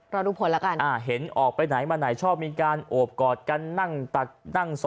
รอดูผลญาติยืนยันว่าจริง